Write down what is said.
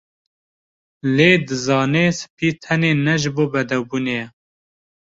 Lê dizanê spî tenê ne ji bo bedewbûnê ye